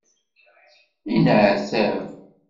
Yenneɛtab.